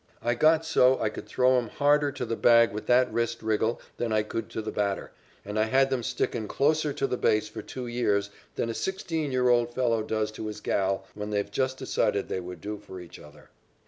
"I got so I could throw 'em harder to the bag with that wrist wriggle than I could to the batter, and I had them stickin' closer to the base for two years than a sixteen year old fellow does to his gal when they've just decided they would do for each other."